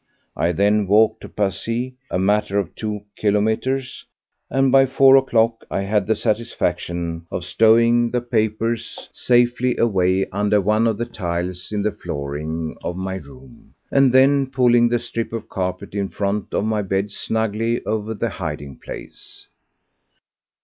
I then walked to Passy—a matter of two kilometres—and by four o'clock I had the satisfaction of stowing the papers safely away under one of the tiles in the flooring of my room, and then pulling the strip of carpet in front of my bed snugly over the hiding place.